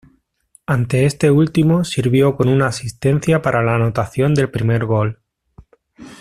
Ante este último sirvió con una asistencia para la anotación del primer gol.